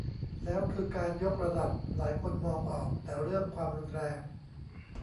แล้วคือการยกระดับหลายคนมองออกแต่เรื่องความรุนแรง